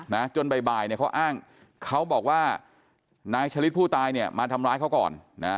จนบ่ายบ่ายเนี่ยเขาอ้างเขาบอกว่านายชะลิดผู้ตายเนี่ยมาทำร้ายเขาก่อนนะ